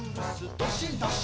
どっしんどっしん」